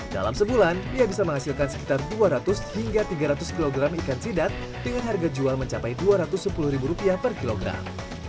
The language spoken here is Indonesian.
dalam sebulan ia bisa menghasilkan sekitar dua ratus hingga tiga ratus kg ikan sidat dengan harga jual mencapai rp dua ratus sepuluh per kilogram